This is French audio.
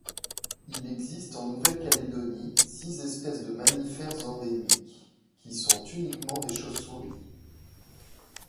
Il existe en Nouvelle-Calédonie six espèces de mammifères endémiques, qui sont uniquement des chauves-souris.